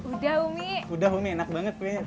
udah umi udah umi enak banget kuenya